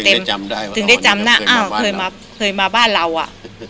จึงได้จำหน้าเคยมาบ้านเราอะ